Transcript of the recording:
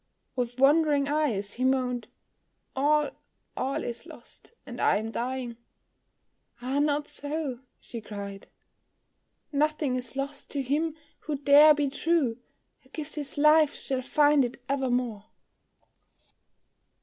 With wondering eyes, he moaned, "All all is lost, And I am dying." "Ah, not so," she cried, "Nothing is lost to him who dare be true; Who gives his life shall find it evermore."